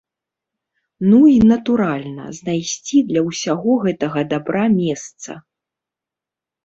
Ну і, натуральна, знайсці для ўсяго гэтага дабра месца.